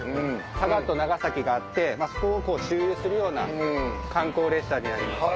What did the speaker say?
佐賀と長崎があってそこを周遊するような観光列車になります。